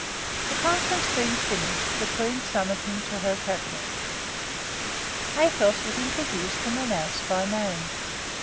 The conference being finished, the queen summoned him to her cabinet. Athos was introduced and announced by name.